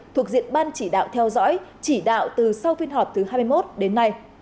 thuộc diện ban chỉ đạo theo dõi chỉ đạo từ sau phiên họp thứ hai mươi một đến nay